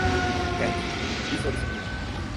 khat, psilocibina